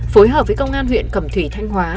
phối hợp với công an huyện cẩm thủy thanh hóa